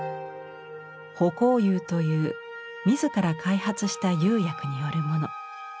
「葆光釉」という自ら開発した釉薬によるもの。